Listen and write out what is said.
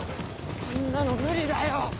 あんなの無理だよ。